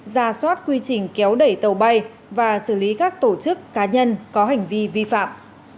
ra soát quy trình kéo đẩy tàu bay và xử lý các tổ chức cá nhân có hành vi vi phạm